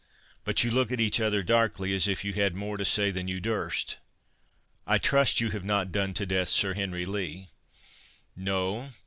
—But you look at each other darkly, as if you had more to say than you durst. I trust you have not done to death Sir Henry Lee?" "No.